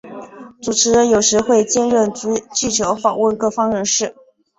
主持人有时会兼任记者访问各方人士。